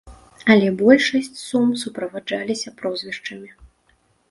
Але большасць сум суправаджаліся прозвішчамі.